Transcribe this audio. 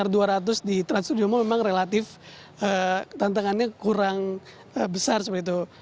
ini dengan gerai abbunk dua ratus di trans studio mall memang relatif tantangannya kurang besar seperti itu